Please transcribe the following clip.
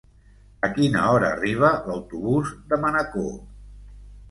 A quina hora arriba l'autobús de Manacor?